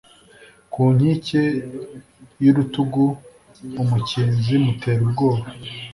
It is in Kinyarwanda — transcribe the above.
ku nkike yurutugu umukinzi mutera ubwoba